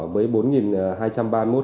với bốn hai trăm ba mươi một con